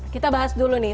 kita bahas dulu nih